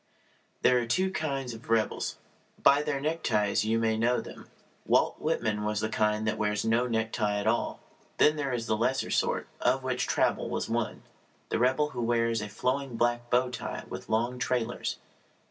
There are two kinds of rebels. By their neckties you may know them. Walt Whitman was of the kind that wears no necktie at all. Then there is the lesser sort, of which Traubel was one the rebel who wears a flowing black bow tie with long trailers.